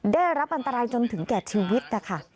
ได้รับอันตรายจนถึงแก่ชีวิตนะคะ